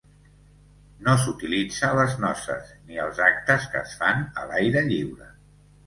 No s'utilitza a les noces ni als actes que es fan a l'aire lliure.